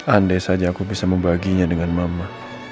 andai saja aku bisa membaginya dengan mama